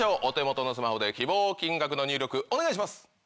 お手元のスマホで希望金額の入力お願いします！